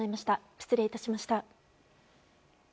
失礼致しました。